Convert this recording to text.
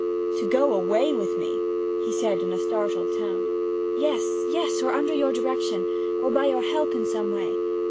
'To go away with me?' he said in a startled tone. 'Yes, yes or under your direction, or by your help in some way!